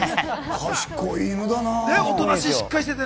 賢い犬だな。